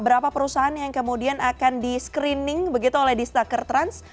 berapa perusahaan yang kemudian akan di screening begitu oleh di staker trans